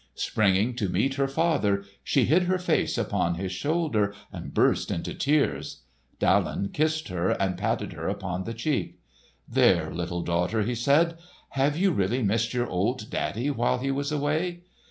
Springing to meet her father, she hid her face upon his shoulder and burst into tears. Daland kissed her and patted her upon the cheek. "There, little daughter!" he said. "Have you really missed your old daddy while he was away?